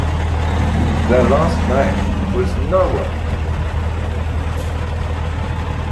Their last name was Noone.